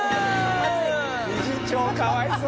理事長かわいそう。